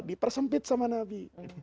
di persempit sama nabi